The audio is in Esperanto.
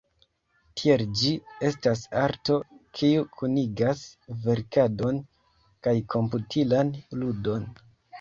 Tiel, ĝi estas arto, kiu kunigas verkadon kaj komputilan ludon.